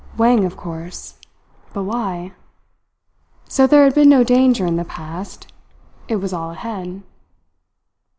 Wang, of course. But why? So there had been no danger in the past. It was all ahead.